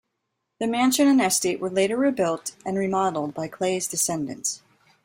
The mansion and estate were later rebuilt and remodeled by Clay's descendants.